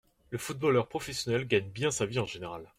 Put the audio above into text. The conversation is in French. Le footballeur professionnel gagne bien sa vie en général.